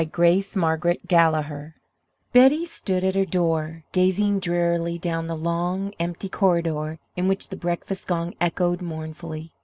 GRACE MARGARET GALLAHER Betty stood at her door, gazing drearily down the long, empty corridor in which the breakfast gong echoed mournfully.